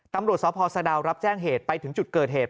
ตำรวจสพสะดาวรับแจ้งเหตุไปถึงจุดเกิดเหตุ